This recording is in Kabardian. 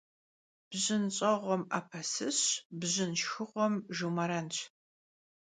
Bjın ş'eğuem 'epe şşınş, bjın şşxığuem jjumerenş.